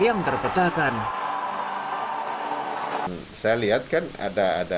yang bisa diperoleh oleh pemerintah dan pemerintah yang berada di dalam pemerintah